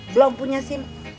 belum punya sim